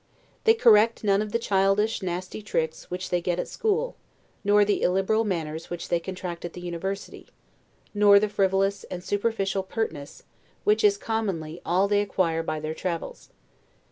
They correct none of the childish nasty tricks, which they get at school; nor the illiberal manners which they contract at the university; nor the frivolous and superficial pertness, which is commonly all that they acquire by their travels.